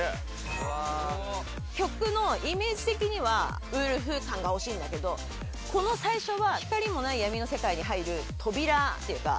曲のイメージ的には、ウルフ感が欲しいんだけど、この最初は、光もない闇の世界に入る扉っていうか。